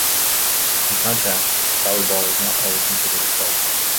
In contrast, a "foul ball" is not always considered a strike.